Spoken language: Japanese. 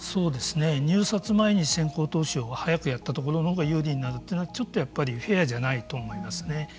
入札前に先行投資を早くやったところのほうが有利になるというのはちょっとやっぱりフェアじゃないと思いますね。